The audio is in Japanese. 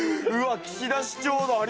うわ岸田市長だ。